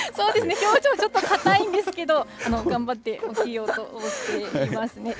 表情、ちょっと硬いんですけれども、頑張って起きようとしていますね。